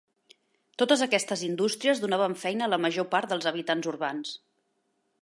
Totes aquestes indústries donaven feina a la major part dels habitants urbans.